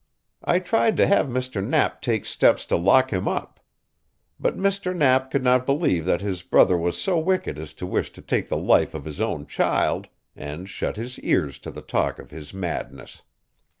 I tried to have Mr. Knapp take steps to lock him up. But Mr. Knapp could not believe that his brother was so wicked as to wish to take the life of his own child, and shut his ears to the talk of his madness.